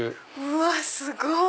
うわすごい！